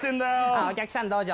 お客さんどうぞ。